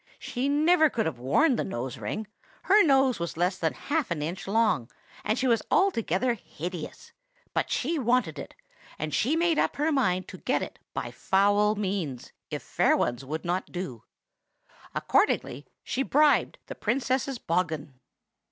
She never could have worn the nose ring; her nose was less than half an inch long, and she was altogether hideous; but she wanted it, and she made up her mind to get it by foul means, if fair ones would not do. Accordingly she bribed the Princess's bogghun."